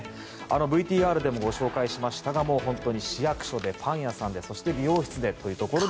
ＶＴＲでもご紹介しましたが本当に市役所でパン屋さんでそして、美容室でというところで。